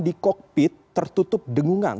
di kokpit tertutup dengungan